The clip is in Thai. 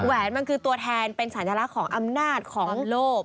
แหวนมันคือตัวแทนเป็นสัญลักษณ์ของอำนาจของโลก